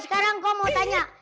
sekarang kong mau tanya